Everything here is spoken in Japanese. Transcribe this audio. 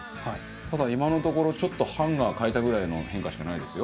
ただ今のところちょっとハンガー変えたぐらいの変化しかないですよ。